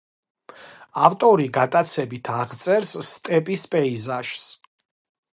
ავტორი გატაცებით აღწერს სტეპის პეიზაჟს.